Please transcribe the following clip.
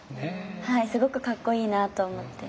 はいすごくかっこいいなと思って。